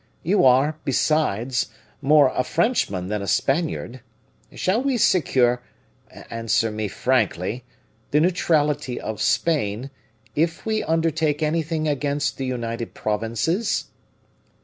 You are, besides, more a Frenchman than a Spaniard. Shall we secure answer me frankly the neutrality of Spain, if we undertake anything against the United Provinces?"